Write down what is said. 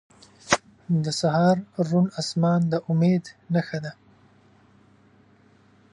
• د سهار روڼ آسمان د امید نښه ده.